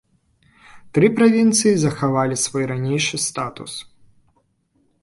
Тры правінцыі захавалі свой ранейшы статус.